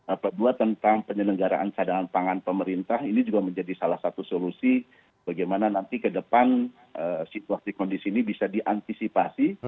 apa dua tentang penyelenggaraan cadangan pangan pemerintah ini juga menjadi salah satu solusi bagaimana nanti ke depan situasi kondisi ini bisa diantisipasi